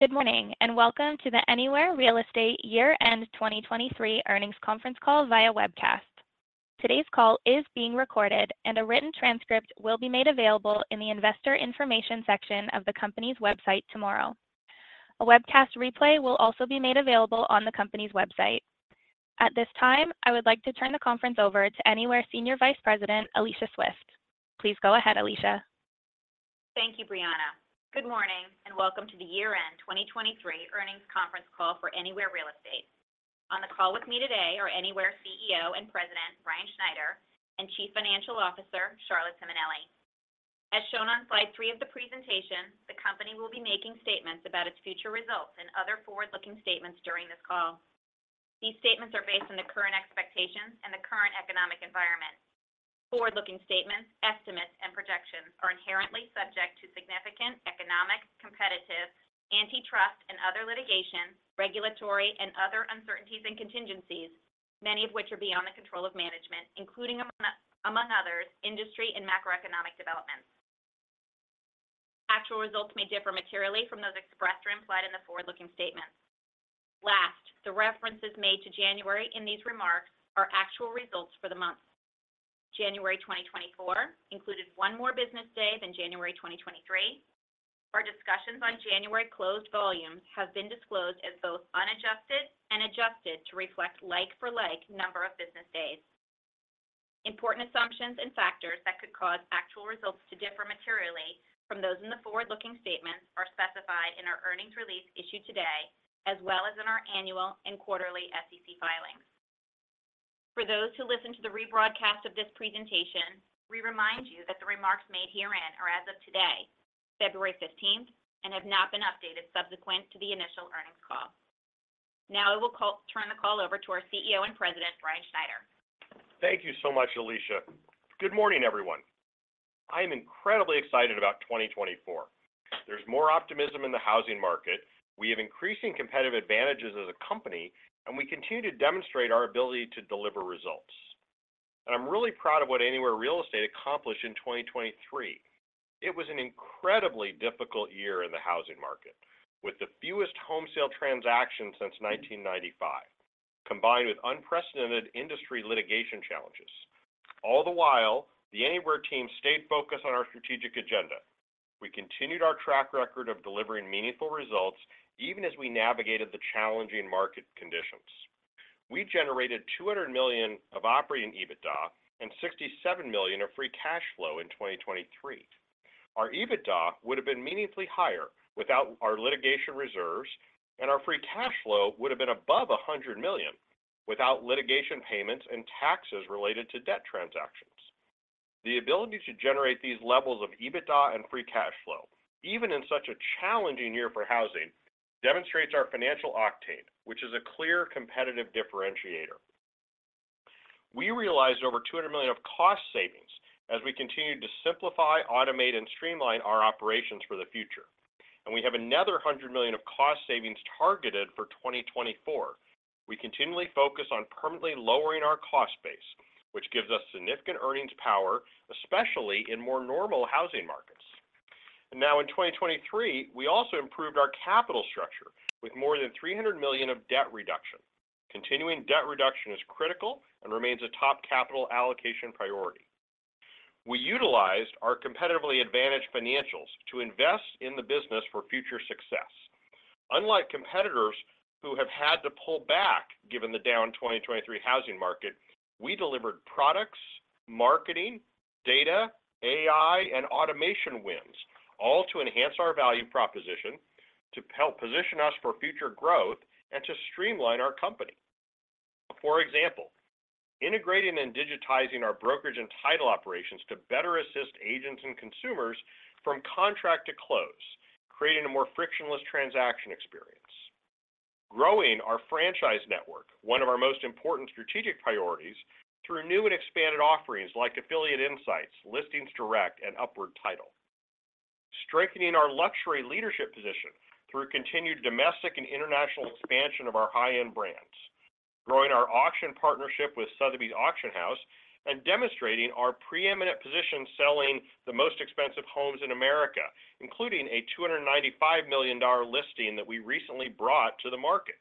Good morning, and welcome to the Anywhere Real Estate Year-End 2023 Earnings Conference Call via webcast. Today's call is being recorded, and a written transcript will be made available in the Investor Information section of the company's website tomorrow. A webcast replay will also be made available on the company's website. At this time, I would like to turn the conference over to Anywhere Senior Vice President, Alicia Swift. Please go ahead, Alicia. Thank you, Brianna. Good morning, and welcome to the year-end 2023 Earnings Conference Call for Anywhere Real Estate. On the call with me today are Anywhere CEO and President, Ryan Schneider, and Chief Financial Officer, Charlotte Simonelli. As shown on slide three of the presentation, the company will be making statements about its future results and other forward-looking statements during this call. These statements are based on the current expectations and the current economic environment. Forward-looking statements, estimates, and projections are inherently subject to significant economic, competitive, antitrust, and other litigation, regulatory and other uncertainties and contingencies, many of which are beyond the control of management, including among, among others, industry and macroeconomic developments. Actual results may differ materially from those expressed or implied in the forward-looking statements. Last, the references made to January in these remarks are actual results for the month. January 2024 included one more business day than January 2023. Our discussions on January closed volumes have been disclosed as both unadjusted and adjusted to reflect like-for-like number of business days. Important assumptions and factors that could cause actual results to differ materially from those in the forward-looking statements are specified in our earnings release issued today, as well as in our annual and quarterly SEC filings. For those who listen to the rebroadcast of this presentation, we remind you that the remarks made herein are as of today, February fifteenth, and have not been updated subsequent to the initial earnings call. Now, I will turn the call over to our CEO and President, Ryan Schneider. Thank you so much, Alicia. Good morning, everyone. I am incredibly excited about 2024. There's more optimism in the housing market. We have increasing competitive advantages as a company, and we continue to demonstrate our ability to deliver results. I'm really proud of what Anywhere Real Estate accomplished in 2023. It was an incredibly difficult year in the housing market, with the fewest home sale transactions since 1995, combined with unprecedented industry litigation challenges. All the while, the Anywhere team stayed focused on our strategic agenda. We continued our track record of delivering meaningful results, even as we navigated the challenging market conditions. We generated $200 million of operating EBITDA and $67 million of free cash flow in 2023. Our EBITDA would have been meaningfully higher without our litigation reserves, and our free cash flow would have been above $100 million without litigation payments and taxes related to debt transactions. The ability to generate these levels of EBITDA and free cash flow, even in such a challenging year for housing, demonstrates our financial octane, which is a clear competitive differentiator. We realized over $200 million of cost savings as we continued to simplify, automate, and streamline our operations for the future, and we have another $100 million of cost savings targeted for 2024. We continually focus on permanently lowering our cost base, which gives us significant earnings power, especially in more normal housing markets. Now in 2023, we also improved our capital structure with more than $300 million of debt reduction. Continuing debt reduction is critical and remains a top capital allocation priority. We utilized our competitively advantaged financials to invest in the business for future success. Unlike competitors who have had to pull back, given the down 2023 housing market, we delivered products, marketing, data, AI, and automation wins, all to enhance our value proposition, to help position us for future growth, and to streamline our company. For example, integrating and digitizing our brokerage and title operations to better assist agents and consumers from contract to close, creating a more frictionless transaction experience. Growing our franchise network, one of our most important strategic priorities, through new and expanded offerings like Affiliate Insights, Listings Direct, and Upward Title. Strengthening our luxury leadership position through continued domestic and international expansion of our high-end brands. Growing our auction partnership with Sotheby's Auction House and demonstrating our preeminent position selling the most expensive homes in America, including a $295 million listing that we recently brought to the market.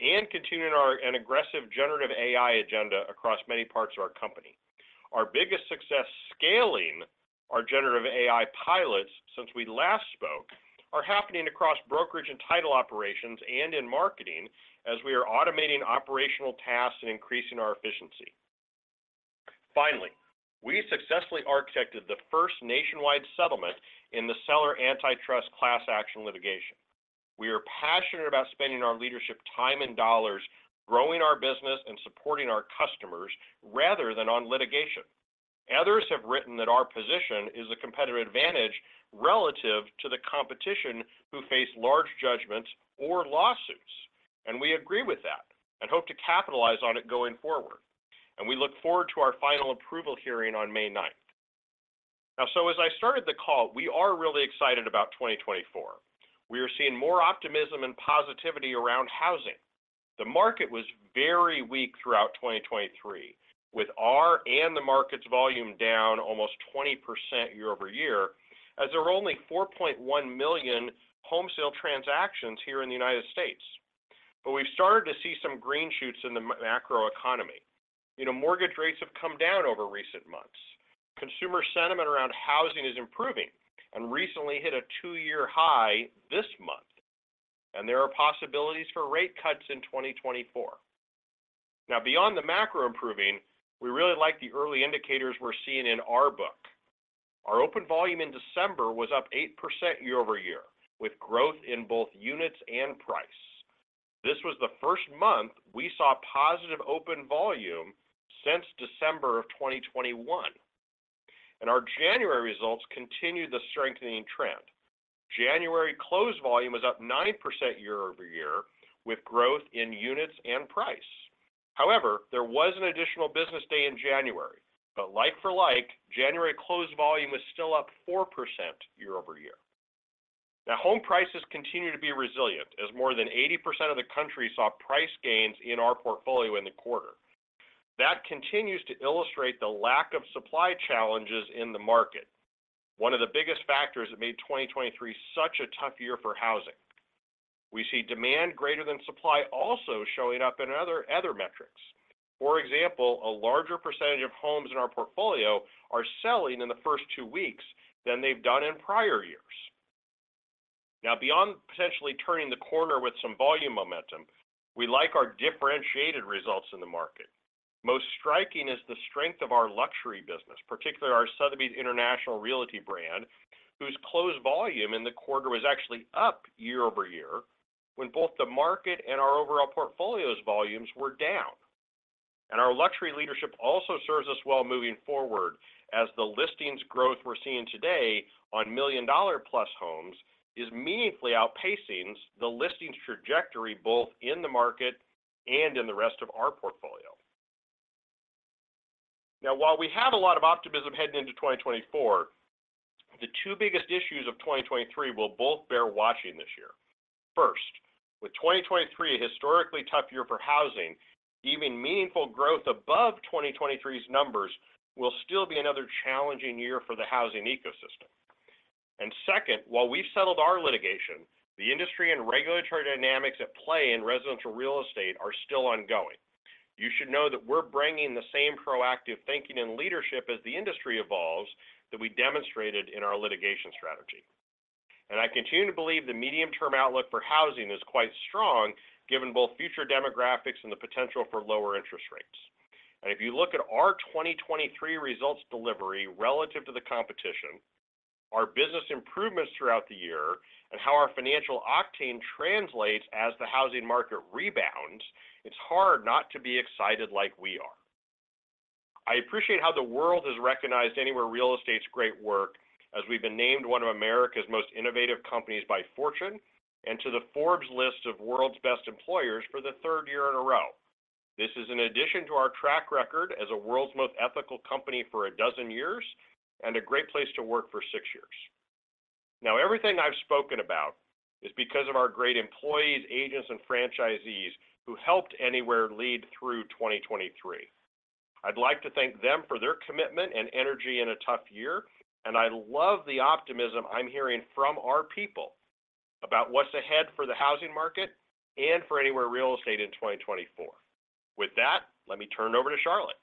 And continuing our—an aggressive Generative AI agenda across many parts of our company. Our biggest success scaling our Generative AI pilots since we last spoke, are happening across brokerage and title operations and in marketing, as we are automating operational tasks and increasing our efficiency. Finally, we successfully architected the first nationwide settlement in the Seller Antitrust class action litigation. We are passionate about spending our leadership time and dollars growing our business and supporting our customers, rather than on litigation. Others have written that our position is a competitive advantage relative to the competition who face large judgments or lawsuits, and we agree with that and hope to capitalize on it going forward, and we look forward to our final approval hearing on May 9. Now, so as I started the call, we are really excited about 2024. We are seeing more optimism and positivity around housing.... The market was very weak throughout 2023, with our and the market's volume down almost 20% year-over-year, as there were only 4.1 million home sale transactions here in the United States. But we've started to see some green shoots in the macro economy. You know, mortgage rates have come down over recent months. Consumer sentiment around housing is improving and recently hit a two-year high this month, and there are possibilities for rate cuts in 2024. Now, beyond the macro improving, we really like the early indicators we're seeing in our book. Our open volume in December was up 8% year-over-year, with growth in both units and price. This was the first month we saw positive open volume since December of 2021, and our January results continued the strengthening trend. January close volume was up 9% year-over-year, with growth in units and price. However, there was an additional business day in January, but like for like, January close volume is still up 4% year-over-year. Now, home prices continue to be resilient, as more than 80% of the country saw price gains in our portfolio in the quarter. That continues to illustrate the lack of supply challenges in the market, one of the biggest factors that made 2023 such a tough year for housing. We see demand greater than supply also showing up in other metrics. For example, a larger percentage of homes in our portfolio are selling in the first two weeks than they've done in prior years. Now, beyond potentially turning the corner with some volume momentum, we like our differentiated results in the market. Most striking is the strength of our luxury business, particularly our Sotheby's International Realty brand, whose closed volume in the quarter was actually up year-over-year, when both the market and our overall portfolio's volumes were down. And our luxury leadership also serves us well moving forward, as the listings growth we're seeing today on million-dollar-plus homes is meaningfully outpacing the listings trajectory both in the market and in the rest of our portfolio. Now, while we have a lot of optimism heading into 2024, the two biggest issues of 2023 will both bear watching this year. First, with 2023 a historically tough year for housing, even meaningful growth above 2023's numbers will still be another challenging year for the housing ecosystem. And second, while we've settled our litigation, the industry and regulatory dynamics at play in residential real estate are still ongoing. You should know that we're bringing the same proactive thinking and leadership as the industry evolves, that we demonstrated in our litigation strategy. I continue to believe the medium-term outlook for housing is quite strong, given both future demographics and the potential for lower interest rates. If you look at our 2023 results delivery relative to the competition, our business improvements throughout the year, and how our financial octane translates as the housing market rebounds, it's hard not to be excited like we are. I appreciate how the world has recognized Anywhere Real Estate's great work, as we've been named one of America's Most Innovative Companies by Fortune and to the Forbes list of World's Best Employers for the third year in a row. This is in addition to our track record as a World's Most Ethical Company for a dozen years, and a Great Place to Work for six years. Now, everything I've spoken about is because of our great employees, agents, and franchisees who helped Anywhere lead through 2023. I'd like to thank them for their commitment and energy in a tough year, and I love the optimism I'm hearing from our people about what's ahead for the housing market and for Anywhere Real Estate in 2024. With that, let me turn it over to Charlotte.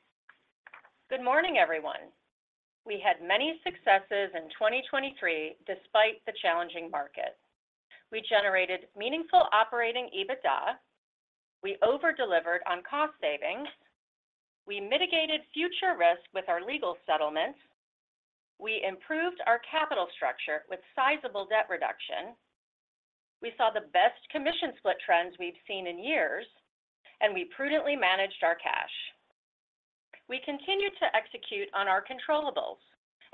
Good morning, everyone. We had many successes in 2023, despite the challenging market. We generated meaningful Operating EBITDA. We over-delivered on cost savings. We mitigated future risk with our legal settlements. We improved our capital structure with sizable debt reduction. We saw the best commission split trends we've seen in years, and we prudently managed our cash. We continued to execute on our controllables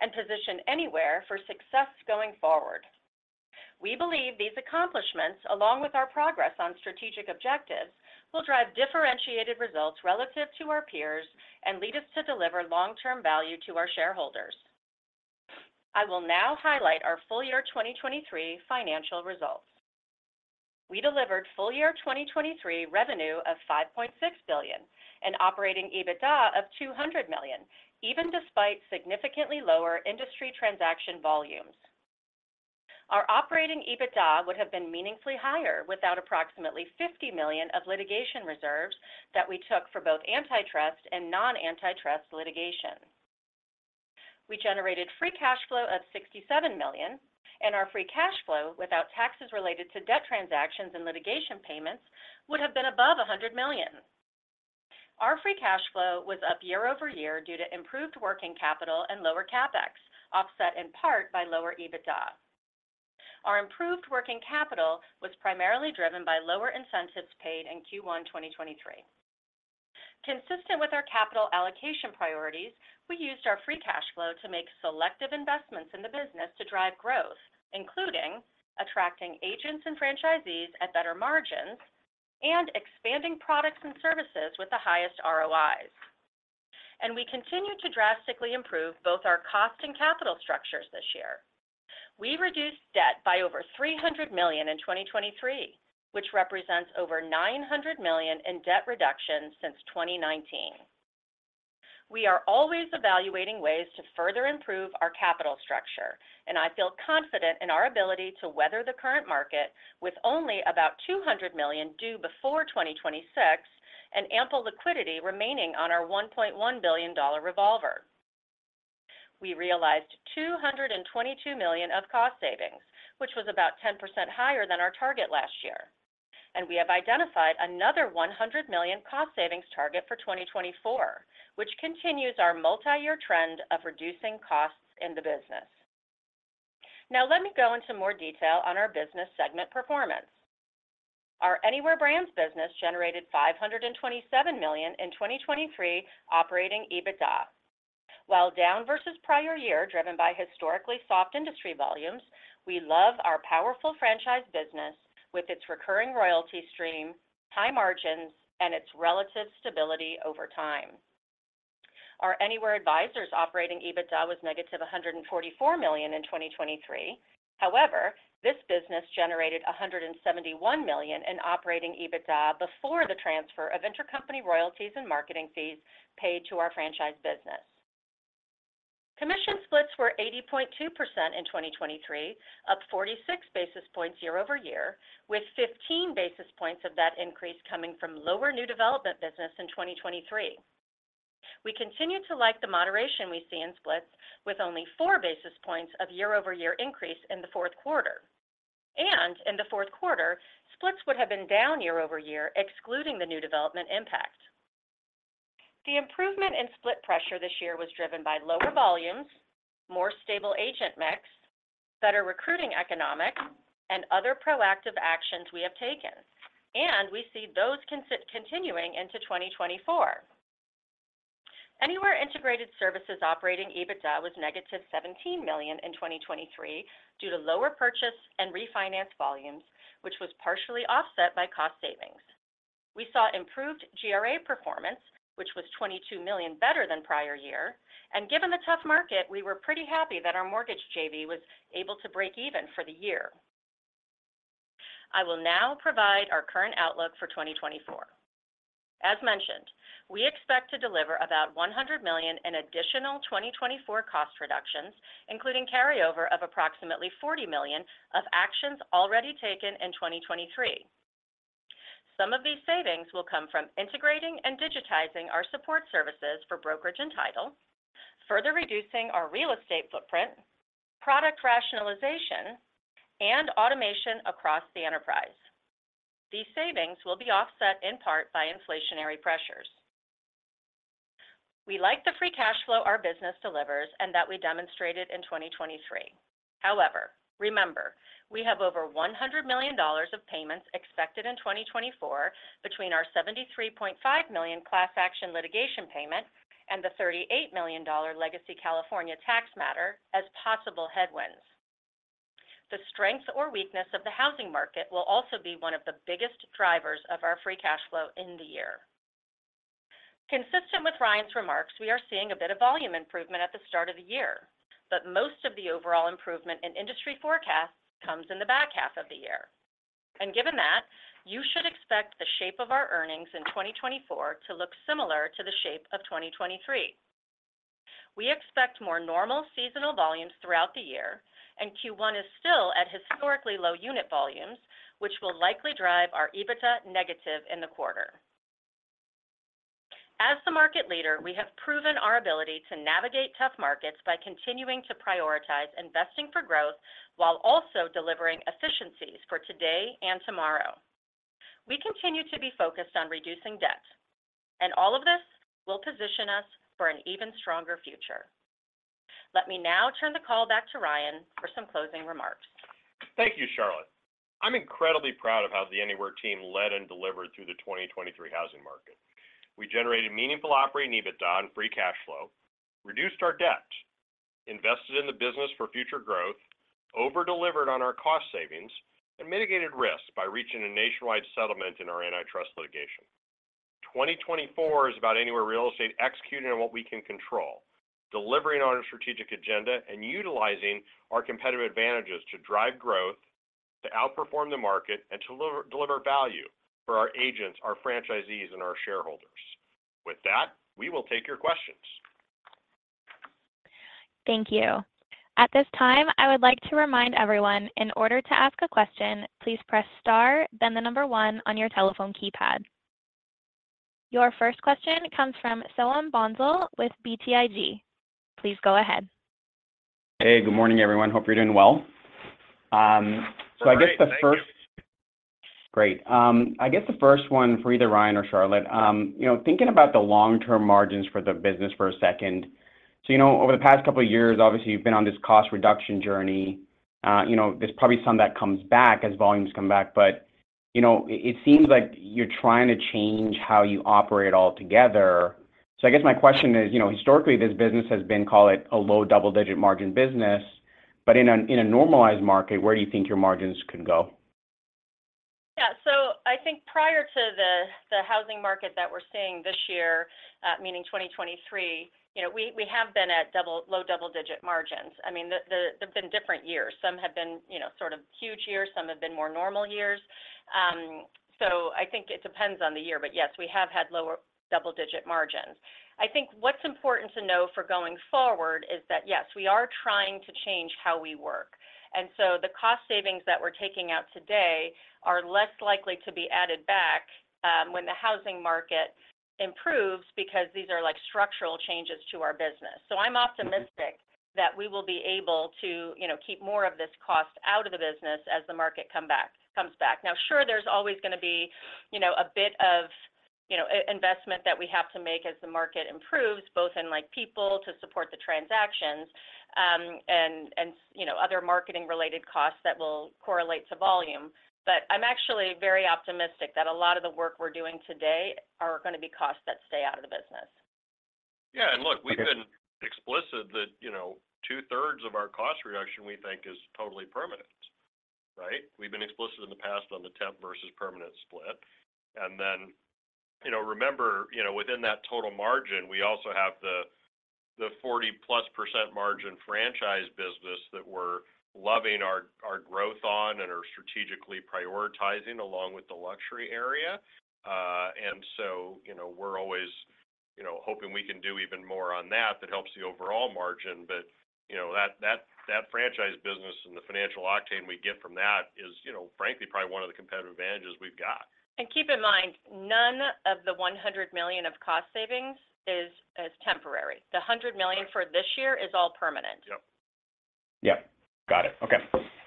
and position Anywhere for success going forward. We believe these accomplishments, along with our progress on strategic objectives, will drive differentiated results relative to our peers and lead us to deliver long-term value to our shareholders. I will now highlight our full year 2023 financial results. We delivered full year 2023 revenue of $5.6 billion and Operating EBITDA of $200 million, even despite significantly lower industry transaction volumes. Our operating EBITDA would have been meaningfully higher without approximately $50 million of litigation reserves that we took for both antitrust and non-antitrust litigation. We generated free cash flow of $67 million, and our free cash flow, without taxes related to debt transactions and litigation payments, would have been above $100 million. Our free cash flow was up year-over-year due to improved working capital and lower CapEx, offset in part by lower EBITDA. Our improved working capital was primarily driven by lower incentives paid in Q1, 2023. Consistent with our capital allocation priorities, we used our free cash flow to make selective investments in the business to drive growth, including attracting agents and franchisees at better margins and expanding products and services with the highest ROIs.... and we continued to drastically improve both our cost and capital structures this year. We reduced debt by over $300 million in 2023, which represents over $900 million in debt reduction since 2019. We are always evaluating ways to further improve our capital structure, and I feel confident in our ability to weather the current market with only about $200 million due before 2026 and ample liquidity remaining on our $1.1 billion revolver. We realized $222 million of cost savings, which was about 10% higher than our target last year, and we have identified another $100 million cost savings target for 2024, which continues our multi-year trend of reducing costs in the business. Now, let me go into more detail on our business segment performance. Our Anywhere Brands business generated $527 million in 2023 operating EBITDA. While down versus prior year, driven by historically soft industry volumes, we love our powerful franchise business with its recurring royalty stream, high margins, and its relative stability over time. Our Anywhere Advisors operating EBITDA was negative $144 million in 2023. However, this business generated $171 million in operating EBITDA before the transfer of intercompany royalties and marketing fees paid to our franchise business. Commission splits were 80.2% in 2023, up 46 basis points year-over-year, with 15 basis points of that increase coming from lower new development business in 2023. We continue to like the moderation we see in splits, with only 4 basis points of year-over-year increase in the Q4. And in the Q4 splits would have been down year-over-year, excluding the new development impact. The improvement in split pressure this year was driven by lower volumes, more stable agent mix, better recruiting economics, and other proactive actions we have taken, and we see those continuing into 2024. Anywhere Integrated Services Operating EBITDA was -$17 million in 2023 due to lower purchase and refinance volumes, which was partially offset by cost savings. We saw improved GRA performance, which was $22 million better than prior year, and given the tough market, we were pretty happy that our Mortgage JV was able to break even for the year. I will now provide our current outlook for 2024. As mentioned, we expect to deliver about $100 million in additional 2024 cost reductions, including carryover of approximately $40 million of actions already taken in 2023. Some of these savings will come from integrating and digitizing our support services for brokerage and title, further reducing our real estate footprint, product rationalization, and automation across the enterprise. These savings will be offset in part by inflationary pressures. We like the free cash flow our business delivers and that we demonstrated in 2023. However, remember, we have over $100 million of payments expected in 2024 between our $73.5 million class action litigation payment and the $38 million legacy California tax matter as possible headwinds. The strength or weakness of the housing market will also be one of the biggest drivers of our free cash flow in the year. Consistent with Ryan's remarks, we are seeing a bit of volume improvement at the start of the year, but most of the overall improvement in industry forecasts comes in the back half of the year. Given that, you should expect the shape of our earnings in 2024 to look similar to the shape of 2023. We expect more normal seasonal volumes throughout the year, and Q1 is still at historically low unit volumes, which will likely drive our EBITDA negative in the quarter. As the market leader, we have proven our ability to navigate tough markets by continuing to prioritize investing for growth while also delivering efficiencies for today and tomorrow. We continue to be focused on reducing debt, and all of this will position us for an even stronger future. Let me now turn the call back to Ryan for some closing remarks. Thank you, Charlotte. I'm incredibly proud of how the Anywhere team led and delivered through the 2023 housing market. We generated meaningful operating EBITDA and free cash flow, reduced our debt, invested in the business for future growth, over-delivered on our cost savings, and mitigated risk by reaching a nationwide settlement in our antitrust litigation. 2024 is about Anywhere Real Estate executing on what we can control, delivering on our strategic agenda, and utilizing our competitive advantages to drive growth, to outperform the market, and to deliver, deliver value for our agents, our franchisees, and our shareholders. With that, we will take your questions. Thank you. At this time, I would like to remind everyone, in order to ask a question, please press star, then the number one on your telephone keypad. Your first question comes from Soham Bhonsle with BTIG. Please go ahead. Hey, good morning, everyone. Hope you're doing well. So I guess the first- Great, thank you. Great. I guess the first one for either Ryan or Charlotte, you know, thinking about the long-term margins for the business for a second. So, you know, over the past couple of years, obviously, you've been on this cost reduction journey. You know, there's probably some that comes back as volumes come back, but, you know, it, it seems like you're trying to change how you operate altogether. So I guess my question is, you know, historically, this business has been, call it, a low double-digit margin business, but in a, in a normalized market, where do you think your margins could go? ... I think prior to the housing market that we're seeing this year, meaning 2023, you know, we have been at low double-digit margins. I mean, they've been different years. Some have been, you know, sort of huge years, some have been more normal years. So I think it depends on the year, but yes, we have had lower double-digit margins. I think what's important to know for going forward is that, yes, we are trying to change how we work, and so the cost savings that we're taking out today are less likely to be added back, when the housing market improves, because these are, like, structural changes to our business. So I'm optimistic that we will be able to, you know, keep more of this cost out of the business as the market comes back. Now, sure, there's always going to be, you know, a bit of, you know, investment that we have to make as the market improves, both in, like, people to support the transactions, and you know, other marketing-related costs that will correlate to volume. But I'm actually very optimistic that a lot of the work we're doing today are going to be costs that stay out of the business. Yeah, and look, we've been explicit that, you know, 2/3 of our cost reduction, we think, is totally permanent, right? We've been explicit in the past on the temp versus permanent split. And then, you know, remember, you know, within that total margin, we also have the 40%+ margin franchise business that we're loving our growth on and are strategically prioritizing along with the luxury area. And so, you know, we're always, you know, hoping we can do even more on that that helps the overall margin. But, you know, that franchise business and the financial octane we get from that is, you know, frankly, probably one of the competitive advantages we've got. Keep in mind, none of the $100 million of cost savings is temporary. The $100 million for this year is all permanent. Yep. Yep. Got it. Okay.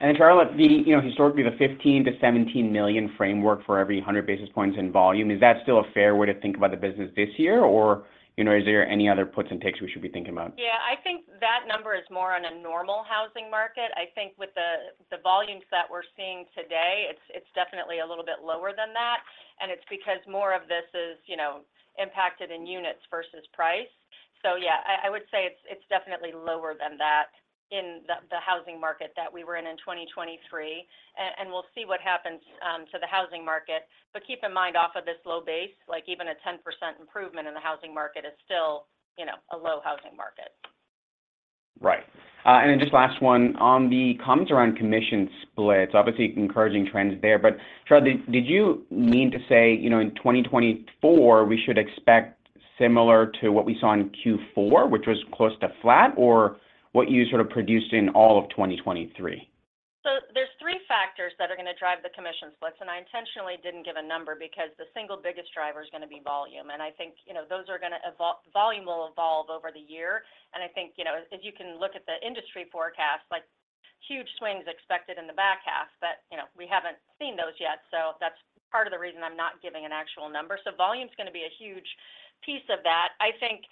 And then, Charlotte, the, you know, historically, the $15 million-$17 million framework for every 100 basis points in volume, is that still a fair way to think about the business this year? Or, you know, is there any other puts and takes we should be thinking about? Yeah, I think that number is more on a normal housing market. I think with the volumes that we're seeing today, it's definitely a little bit lower than that, and it's because more of this is, you know, impacted in units versus price. So yeah, I would say it's definitely lower than that in the housing market that we were in in 2023. And we'll see what happens to the housing market. But keep in mind, off of this low base, like, even a 10% improvement in the housing market is still, you know, a low housing market. Right. And then just last one, on the comments around commission splits, obviously, encouraging trends there. But Charlotte, did you mean to say, you know, in 2024, we should expect similar to what we saw in Q4, which was close to flat, or what you sort of produced in all of 2023? So there's three factors that are going to drive the commission splits, and I intentionally didn't give a number because the single biggest driver is going to be volume. And I think, you know, those are going to evolve—volume will evolve over the year. And I think, you know, as you can look at the industry forecast, like, huge swings expected in the back half, but, you know, we haven't seen those yet. So that's part of the reason I'm not giving an actual number. So volume's going to be a huge piece of that. I think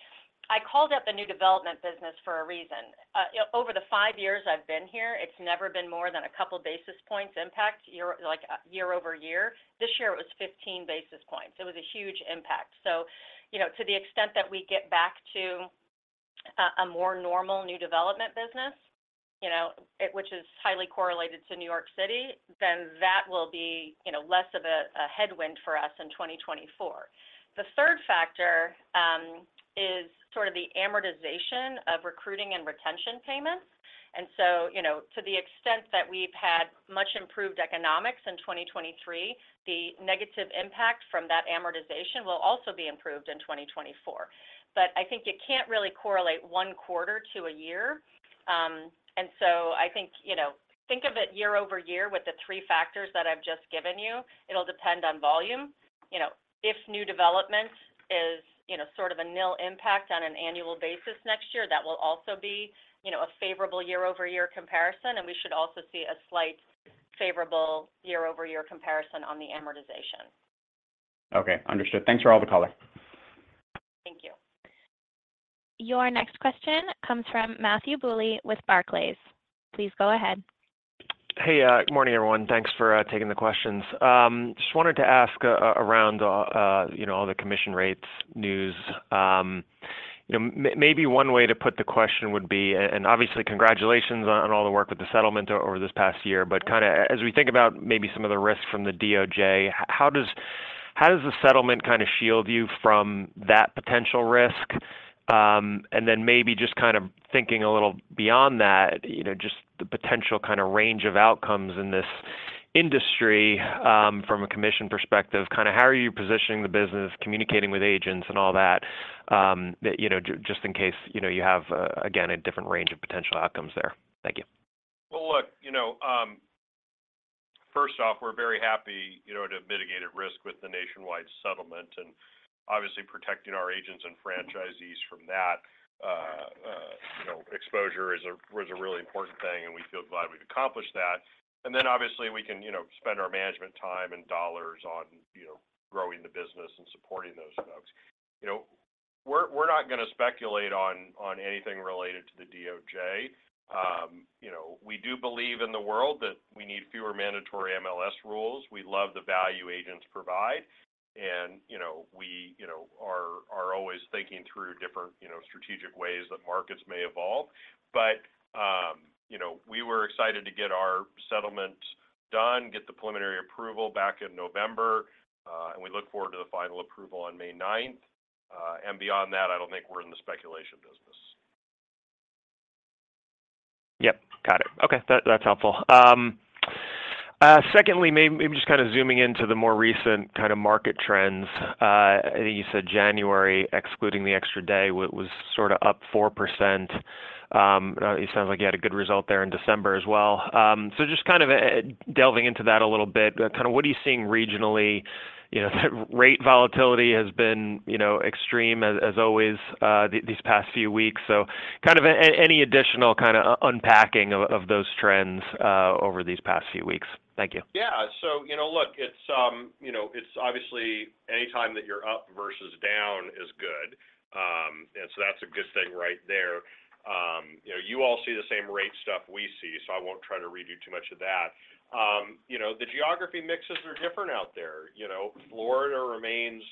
I called out the new development business for a reason. You know, over the five years I've been here, it's never been more than a couple basis points impact year, like, year-over-year. This year, it was 15 basis points. It was a huge impact. So, you know, to the extent that we get back to a more normal new development business, you know, it—which is highly correlated to New York City—then that will be, you know, less of a headwind for us in 2024. The third factor is sort of the amortization of recruiting and retention payments. And so, you know, to the extent that we've had much improved economics in 2023, the negative impact from that amortization will also be improved in 2024. But I think you can't really correlate one quarter to a year. And so I think, you know, think of it year-over-year with the three factors that I've just given you. It'll depend on volume. You know, if new development is, you know, sort of a nil impact on an annual basis next year, that will also be, you know, a favorable year-over-year comparison, and we should also see a slight favorable year-over-year comparison on the amortization. Okay, understood. Thanks for all the color. Thank you. Your next question comes from Matthew Bouley with Barclays. Please go ahead. Hey, good morning, everyone. Thanks for taking the questions. Just wanted to ask around you know the commission rates news. You know, maybe one way to put the question would be, and obviously, congratulations on all the work with the settlement over this past year. But kind of as we think about maybe some of the risks from the DOJ, how does the settlement kind of shield you from that potential risk? And then maybe just kind of thinking a little beyond that, you know, just the potential kind of range of outcomes in this industry from a commission perspective, kind of how are you positioning the business, communicating with agents and all that, that you know just in case, you know, you have again a different range of potential outcomes there? Thank you. Well, look, you know, first off, we're very happy, you know, to have mitigated risk with the nationwide settlement, and obviously, protecting our agents and franchisees from that, you know, exposure was a really important thing, and we feel glad we've accomplished that. Then, obviously, we can, you know, spend our management time and dollars on, you know, growing the business and supporting those folks. You know, we're not going to speculate on anything related to the DOJ. You know, we do believe in the world that we need fewer mandatory MLS rules. We love the value agents provide... and, you know, we are always thinking through different, you know, strategic ways that markets may evolve. But, you know, we were excited to get our settlement done, get the preliminary approval back in November, and we look forward to the final approval on May ninth. And beyond that, I don't think we're in the speculation business. Yep, got it. Okay, that, that's helpful. Secondly, maybe, maybe just kind of zooming into the more recent kind of market trends. I think you said January, excluding the extra day, was sort of up 4%. It sounds like you had a good result there in December as well. So just kind of delving into that a little bit, kind of what are you seeing regionally? You know, rate volatility has been, you know, extreme as always, these past few weeks. So kind of any additional kind of unpacking of those trends over these past few weeks. Thank you. Yeah. So, you know, look, it's obviously any time that you're up versus down is good. And so that's a good thing right there. You know, you all see the same rate stuff we see, so I won't try to read you too much of that. You know, the geography mixes are different out there. You know, Florida remains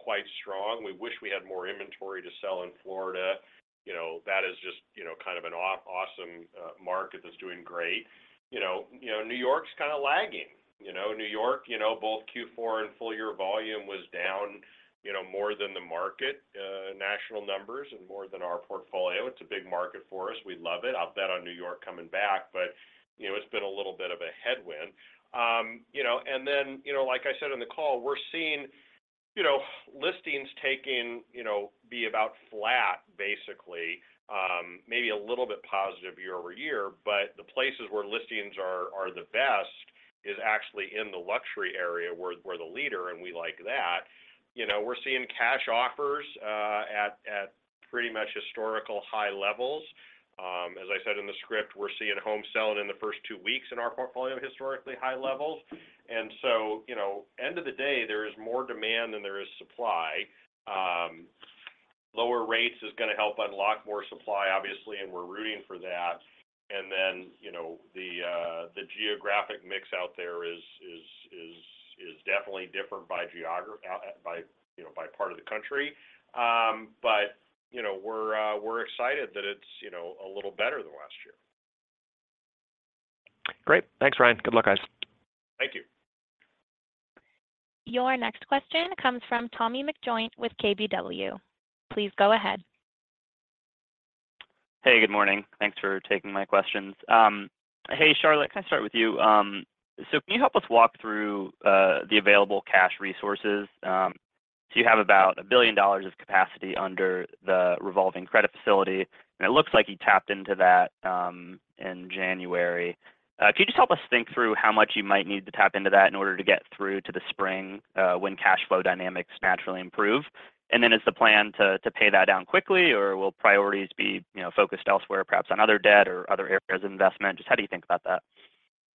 quite strong. We wish we had more inventory to sell in Florida. You know, that is just kind of an awesome market that's doing great. You know, New York's kind of lagging. You know, New York, both Q4 and full year volume was down more than the market national numbers and more than our portfolio. It's a big market for us. We love it. I'll bet on New York coming back, but, you know, it's been a little bit of a headwind. You know, and then, you know, like I said in the call, we're seeing, you know, listings taking, you know, be about flat, basically, maybe a little bit positive year-over-year. But the places where listings are, are the best is actually in the luxury area, where we're the leader, and we like that. You know, we're seeing cash offers at pretty much historical high levels. As I said in the script, we're seeing homes selling in the first two weeks in our portfolio, historically high levels. And so, you know, end of the day, there is more demand than there is supply. Lower rates is gonna help unlock more supply, obviously, and we're rooting for that. And then, you know, the geographic mix out there is definitely different by, you know, by part of the country. But, you know, we're excited that it's, you know, a little better than last year. Great. Thanks, Ryan. Good luck, guys. Thank you. Your next question comes from Tommy McJoynt with KBW. Please go ahead. Hey, good morning. Thanks for taking my questions. Hey, Charlotte, can I start with you? So can you help us walk through the available cash resources? So you have about $1 billion of capacity under the revolving credit facility, and it looks like you tapped into that in January. Could you just help us think through how much you might need to tap into that in order to get through to the spring, when cash flow dynamics naturally improve? And then, is the plan to pay that down quickly, or will priorities be, you know, focused elsewhere, perhaps on other debt or other areas of investment? Just how do you think about that?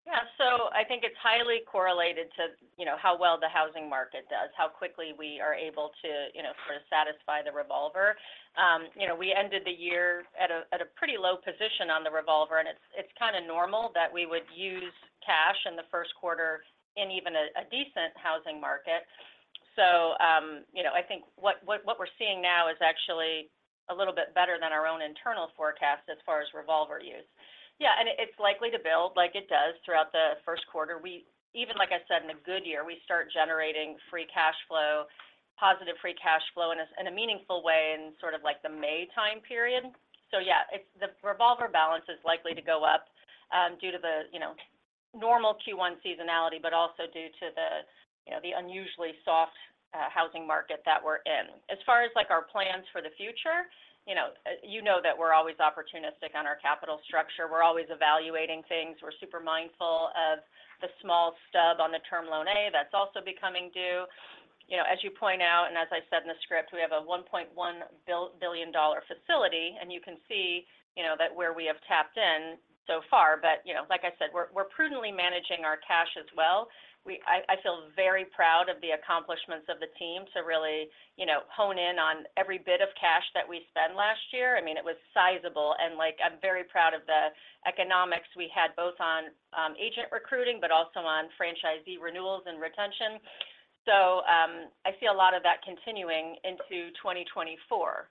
Yeah. So I think it's highly correlated to, you know, how well the housing market does, how quickly we are able to, you know, sort of satisfy the revolver. You know, we ended the year at a pretty low position on the revolver, and it's kind of normal that we would use cash in the Q1 in even a decent housing market. So, you know, I think what we're seeing now is actually a little bit better than our own internal forecast as far as revolver use. Yeah, and it's likely to build like it does throughout the Q1. Even, like I said, in a good year, we start generating free cash flow, positive free cash flow in a meaningful way in sort of like the May time period. So yeah, it's the revolver balance is likely to go up due to the, you know, normal Q1 seasonality, but also due to the, you know, the unusually soft housing market that we're in. As far as, like, our plans for the future, you know, you know that we're always opportunistic on our capital structure. We're always evaluating things. We're super mindful of the small stub on the Term Loan A that's also becoming due. You know, as you point out, and as I said in the script, we have a $1.1 billion facility, and you can see, you know, that where we have tapped in so far. But, you know, like I said, we're prudently managing our cash as well. I, I feel very proud of the accomplishments of the team to really, you know, hone in on every bit of cash that we spent last year. I mean, it was sizable, and, like, I'm very proud of the economics we had, both on agent recruiting, but also on franchisee renewals and retention. So, I see a lot of that continuing into 2024.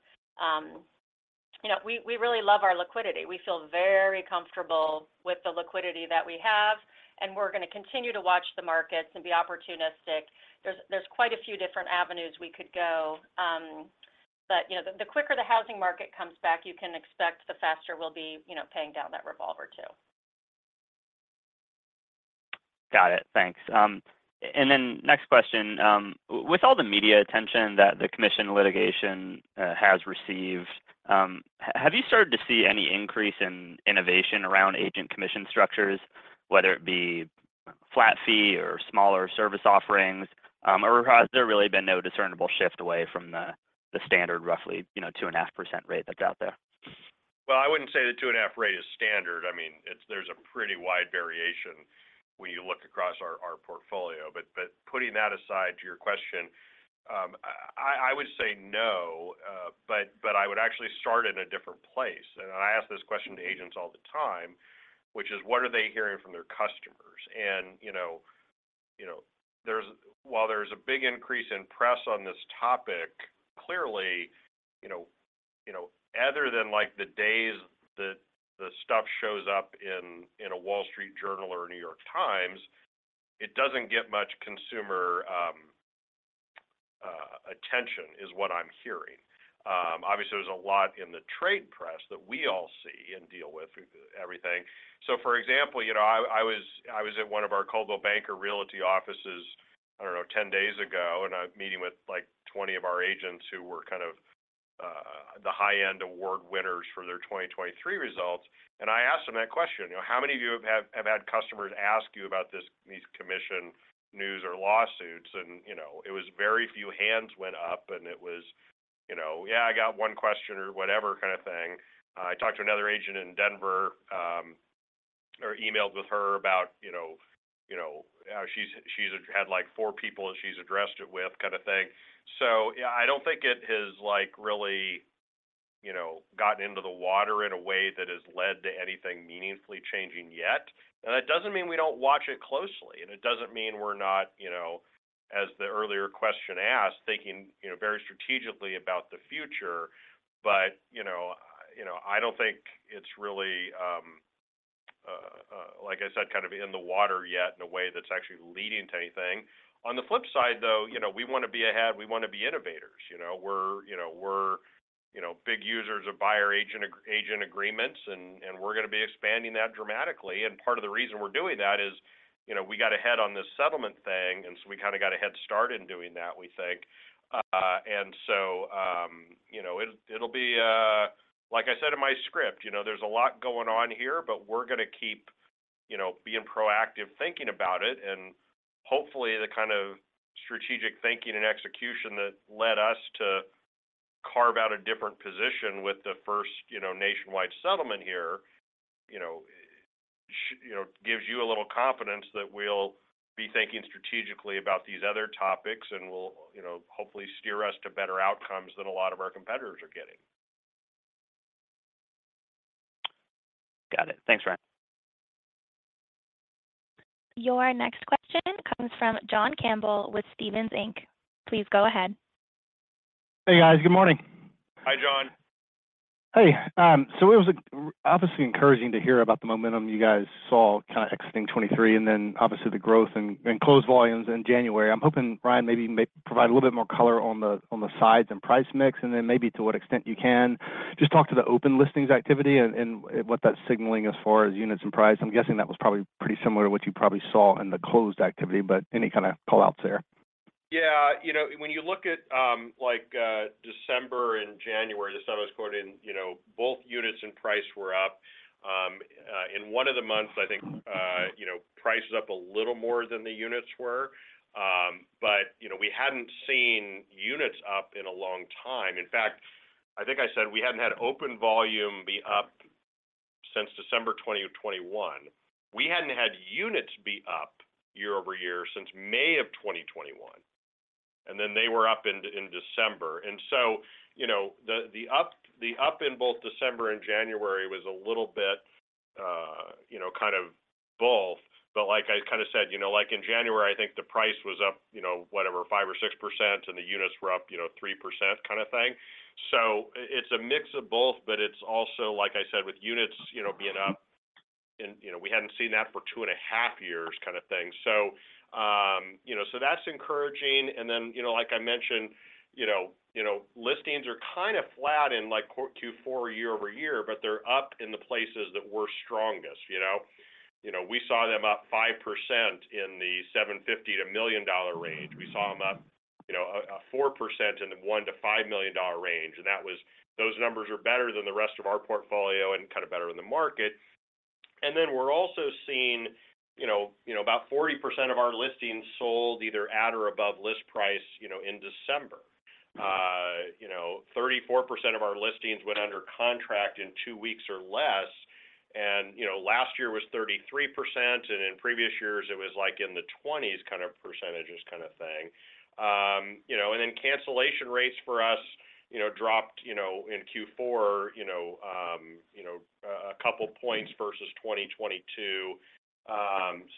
You know, we, we really love our liquidity. We feel very comfortable with the liquidity that we have, and we're gonna continue to watch the markets and be opportunistic. There's, there's quite a few different avenues we could go. But, you know, the, the quicker the housing market comes back, you can expect the faster we'll be, you know, paying down that revolver too. Got it. Thanks. And then next question. With all the media attention that the commission litigation has received, have you started to see any increase in innovation around agent commission structures, whether it be flat fee or smaller service offerings? Or has there really been no discernible shift away from the, the standard, roughly, you know, 2.5% rate that's out there? Well, I wouldn't say the 2.5 rate is standard. I mean, it's—there's a pretty wide variation when you look across our portfolio. But putting that aside, to your question, I would say no, but I would actually start in a different place. And I ask this question to agents all the time, which is, what are they hearing from their customers? And, you know, there's—while there's a big increase in press on this topic, clearly, you know, other than, like, the days that the stuff shows up in a Wall Street Journal or a New York Times, it doesn't get much consumer attention, is what I'm hearing. Obviously, there's a lot in the trade press that we all see and deal with, everything. So, for example, you know, I, I was, I was at one of our Coldwell Banker Realty offices, I don't know, 10 days ago, and I was meeting with, like, 20 of our agents who were kind of the high-end award winners for their 2023 results. And I asked them that question, you know, "How many of you have, have had customers ask you about this, these commission news or lawsuits?" And, you know, it was very few hands went up, and it was, you know, "Yeah, I got one question," or whatever kind of thing. I talked to another agent in Denver, or emailed with her about, you know, you know, how she's, she's had, like, 4 people that she's addressed it with kind of thing. So yeah, I don't think it has, like, really, you know, gotten into the water in a way that has led to anything meaningfully changing yet. And that doesn't mean we don't watch it closely, and it doesn't mean we're not, you know, as the earlier question asked, thinking, you know, very strategically about the future. But, you know, you know, I don't think it's really, like I said, kind of in the water yet in a way that's actually leading to anything. On the flip side, though, you know, we want to be ahead, we want to be innovators. You know, we're, you know, we're, you know, big users of buyer agent, agent agreements, and, and we're going to be expanding that dramatically. And part of the reason we're doing that is, you know, we got ahead on this settlement thing, and so we kind of got a head start in doing that, we think. And so, you know, it, it'll be, like I said in my script, you know, there's a lot going on here, but we're going to keep, you know, being proactive, thinking about it. And hopefully, the kind of strategic thinking and execution that led us to carve out a different position with the first, you know, nationwide settlement here, you know, gives you a little confidence that we'll be thinking strategically about these other topics and will, you know, hopefully steer us to better outcomes than a lot of our competitors are getting. Got it. Thanks, Ryan. Your next question comes from John Campbell with Stephens Inc. Please go ahead. Hey, guys. Good morning. Hi, John. Hey, so it was obviously encouraging to hear about the momentum you guys saw kind of exiting 2023, and then obviously, the growth and closed volumes in January. I'm hoping, Ryan, maybe you may provide a little bit more color on the, on the sides and price mix, and then maybe to what extent you can just talk to the open listings activity and what that's signaling as far as units and price. I'm guessing that was probably pretty similar to what you probably saw in the closed activity, but any kind of call-outs there? Yeah. You know, when you look at, like, December and January, this time I was quoting, you know, both units and price were up. In one of the months, I think, you know, price is up a little more than the units were. But, you know, we hadn't seen units up in a long time. In fact, I think I said we hadn't had open volume be up since December 2021. We hadn't had units be up year-over-year since May of 2021, and then they were up in December. And so, you know, the up in both December and January was a little bit, you know, kind of both. But like I kind of said, you know, like in January, I think the price was up, you know, whatever, 5% or 6%, and the units were up, you know, 3% kind of thing. So it's a mix of both, but it's also, like I said, with units, you know, being up and, you know, we hadn't seen that for 2.5 years kind of thing. So, you know, so that's encouraging. And then, you know, like I mentioned, you know, you know, listings are kind of flat in like Q4 year-over-year, but they're up in the places that were strongest, you know. You know, we saw them up 5% in the $750,000-$1 million range. We saw them up, you know, 4% in the $1-$5 million range, and that was those numbers are better than the rest of our portfolio and kind of better in the market. And then we're also seeing, you know, you know, about 40% of our listings sold either at or above list price, you know, in December. You know, 34% of our listings went under contract in two weeks or less, and, you know, last year was 33%, and in previous years it was like in the 20s kind of percentages kind of thing. You know, and then cancellation rates for us, you know, dropped, you know, in Q4, you know, a couple points versus 2022.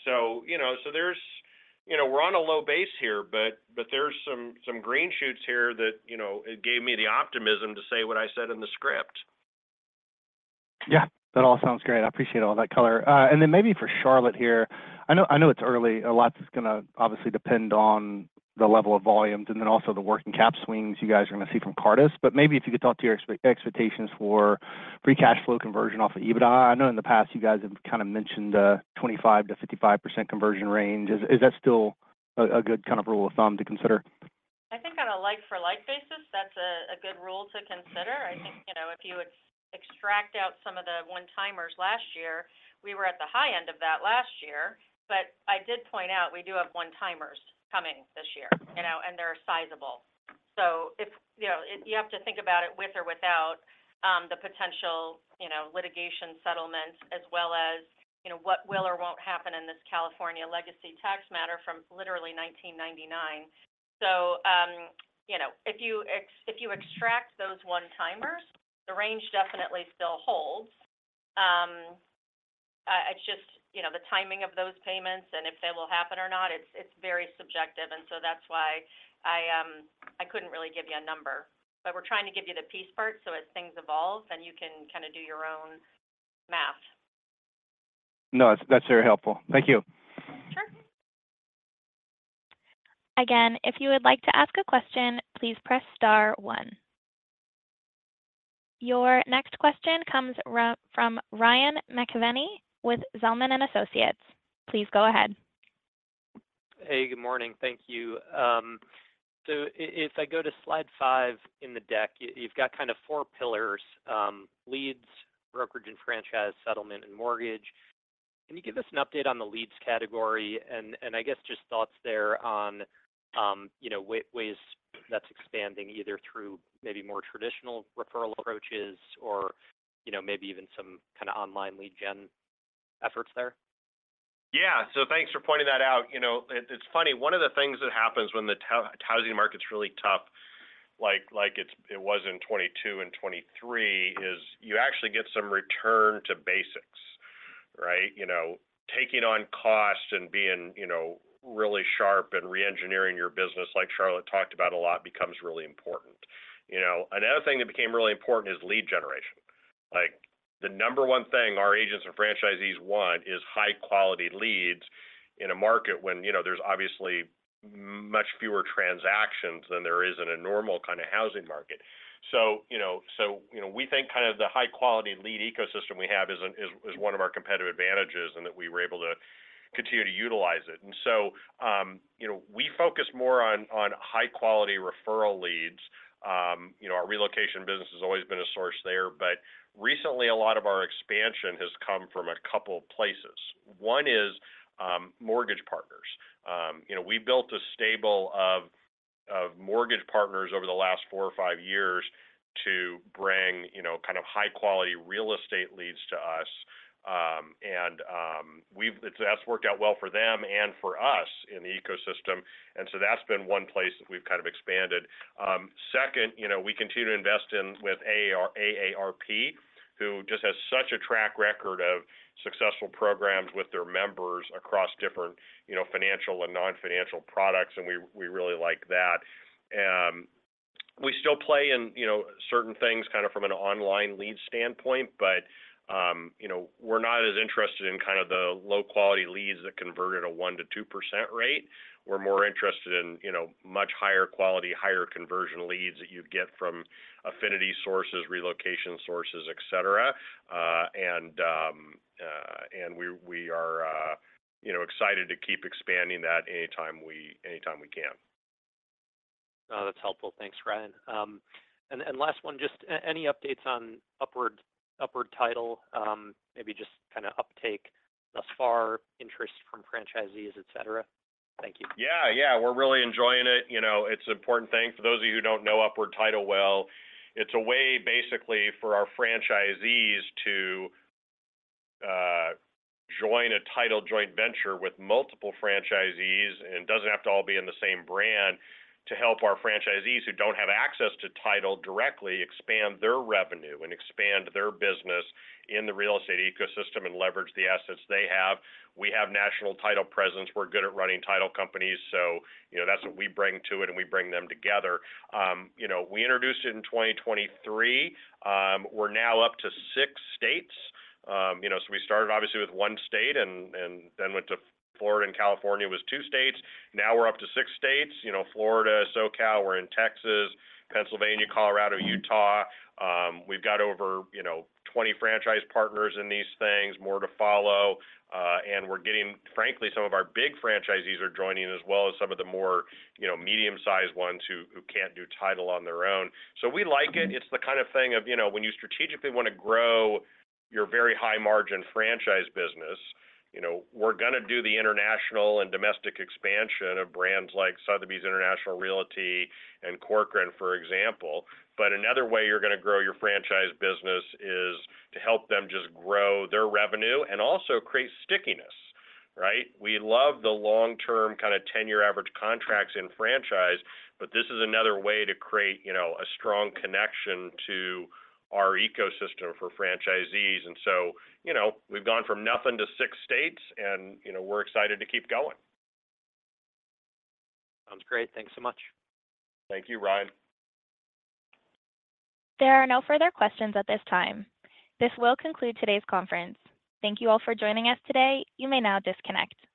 So, you know, so there's, you know, we're on a low base here, but there's some green shoots here that, you know, it gave me the optimism to say what I said in the script. Yeah, that all sounds great. I appreciate all that color. And then maybe for Charlotte here, I know, I know it's early. A lot's going to obviously depend on the level of volumes and then also the working cap swings you guys are going to see from Cartus. But maybe if you could talk to your expectations for free cash flow conversion off the EBITDA. I know in the past, you guys have kind of mentioned 25%-55% conversion range. Is that still a good kind of rule of thumb to consider? I think on a like for like basis, that's a good rule to consider. I think, you know, if you would extract out some of the one-timers last year, we were at the high end of that last year. But I did point out we do have one-timers coming this year, you know, and they're sizable. So if, you know, if you have to think about it with or without the potential, you know, litigation settlement, as well as, you know, what will or won't happen in this California legacy tax matter from literally 1999. So, you know, if you extract those one-timers, the range definitely still holds. It's just, you know, the timing of those payments and if they will happen or not, it's very subjective, and so that's why I couldn't really give you a number. But we're trying to give you the piece part, so as things evolve, then you can kind of do your own math. No, that's, that's very helpful. Thank you. Sure. Again, if you would like to ask a question, please press star one. Your next question comes from Ryan McKeveny with Zelman & Associates. Please go ahead. Hey, good morning. Thank you. So if I go to slide five in the deck, you, you've got kind of four pillars: leads, brokerage and franchise, settlement, and mortgage. Can you give us an update on the leads category? And I guess just thoughts there on, you know, ways that's expanding, either through maybe more traditional referral approaches or, you know, maybe even some kind of online lead gen efforts there. Yeah. So thanks for pointing that out. You know, it's funny, one of the things that happens when the tough housing market's really tough, like it was in 2022 and 2023, is you actually get some return to basics, right? You know, taking on cost and being, you know, really sharp and reengineering your business, like Charlotte talked about a lot, becomes really important. You know, another thing that became really important is lead generation. Like, the number one thing our agents and franchisees want is high-quality leads in a market when, you know, there's obviously much fewer transactions than there is in a normal kind of housing market. So, you know, we think kind of the high-quality lead ecosystem we have is one of our competitive advantages and that we were able to continue to utilize it. And so, you know, we focus more on, on high-quality referral leads. You know, our relocation business has always been a source there, but recently, a lot of our expansion has come from a couple of places. One is, mortgage partners. You know, we built a stable of, of mortgage partners over the last four or five years to bring, you know, kind of high-quality real estate leads to us. And, that's worked out well for them and for us in the ecosystem, and so that's been one place that we've kind of expanded. Second, you know, we continue to invest in with AARP, who just has such a track record of successful programs with their members across different, you know, financial and non-financial products, and we, we really like that. We still play in, you know, certain things kind of from an online lead standpoint, but, you know, we're not as interested in kind of the low-quality leads that convert at a 1%-2% rate. We're more interested in, you know, much higher quality, higher conversion leads that you'd get from affinity sources, relocation sources, et cetera. And we are, you know, excited to keep expanding that anytime we can. That's helpful. Thanks, Ryan. And last one, just any updates on Upward Title? Maybe just kind of uptake thus far, interest from franchisees, et cetera. Thank you. Yeah, yeah. We're really enjoying it. You know, it's an important thing. For those of you who don't know Upward Title well, it's a way basically for our franchisees to join a title joint venture with multiple franchisees, and it doesn't have to all be in the same brand, to help our franchisees who don't have access to title directly expand their revenue and expand their business in the real estate ecosystem and leverage the assets they have. We have national title presence. We're good at running title companies, so, you know, that's what we bring to it, and we bring them together. You know, we introduced it in 2023. We're now up to six states. You know, so we started obviously with one state and, and then went to Florida and California was two states. Now we're up to six states. You know, Florida, SoCal, we're in Texas, Pennsylvania, Colorado, Utah. We've got over, you know, 20 franchise partners in these things, more to follow, and we're getting frankly, some of our big franchisees are joining, as well as some of the more, you know, medium-sized ones who can't do title on their own. So we like it. It's the kind of thing of, you know, when you strategically want to grow your very high-margin franchise business, you know, we're going to do the international and domestic expansion of brands like Sotheby's International Realty and Corcoran, for example. But another way you're going to grow your franchise business is to help them just grow their revenue and also create stickiness, right? We love the long-term, kind of 10-year average contracts in franchise, but this is another way to create, you know, a strong connection to our ecosystem for franchisees. And so, you know, we've gone from nothing to six states, and, you know, we're excited to keep going. Sounds great. Thanks so much. Thank you, Ryan. There are no further questions at this time. This will conclude today's conference. Thank you all for joining us today. You may now disconnect.